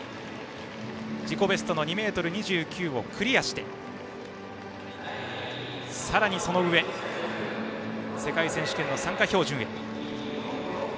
自己ベスト２ｍ２９をクリアしてさらにその上世界選手権の参加標準へ。